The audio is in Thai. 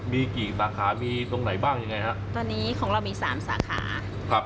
มีกี่สาขามีตรงไหนบ้างยังไงฮะตอนนี้ของเรามีสามสาขาครับ